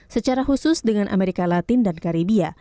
secara khusus dengan amerika latin dan karibia